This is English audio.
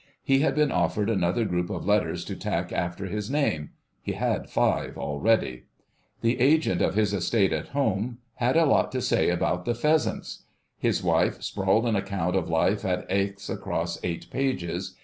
He had been offered another group of letters to tack after his name (he had five already). The agent of his estate at home had a lot to say about the pheasants.... His wife sprawled an account of life at Aix across eight pages.